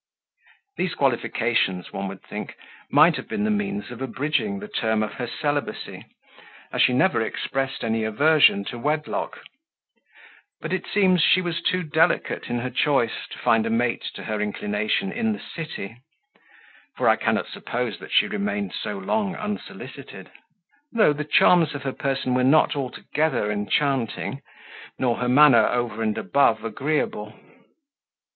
These qualifications, one would think, might have been the means of abridging the term of her celibacy, as she never expressed any aversion to wedlock; but, it seems, she was too delicate in her choice, to find a mate to her inclination in the city: for I cannot suppose that she remained so long unsolicited; though the charms of her person were not altogether enchanting, nor her manner over and above agreeable.